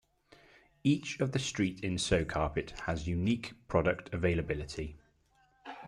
Each of the street in Sowcarpet has unique product availability.